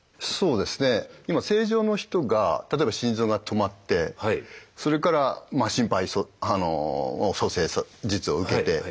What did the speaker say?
そうですね今正常の人が例えば心臓が止まってそれから心肺蘇生術を受けて。